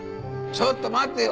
ちょっと待ってよ。